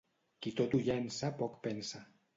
Qui tot ho llença, poc pensa.